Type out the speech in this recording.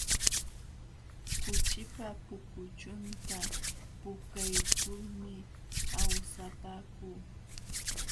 Kuchipa pukuchunta puukaykulmi awsapaakuu.